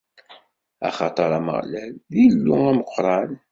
Axaṭer Ameɣlal, d Illu ameqqran.